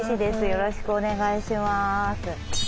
よろしくお願いします。